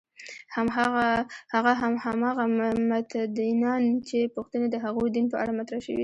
هغه هم هماغه متدینان چې پوښتنې د هغوی دین په اړه مطرح شوې.